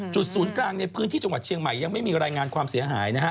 ศูนย์กลางในพื้นที่จังหวัดเชียงใหม่ยังไม่มีรายงานความเสียหายนะฮะ